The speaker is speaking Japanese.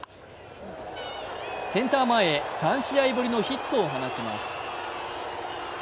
センター前へ、３試合ぶりのヒットを放ちます。